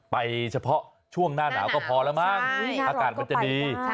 ไปเฉพาะช่วงหน้าหนาวก็พอแล้วมั้งอากาศมันจะดี